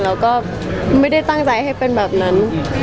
เราก็ไม่ได้ตั้งใจให้เป็นแบบนั้น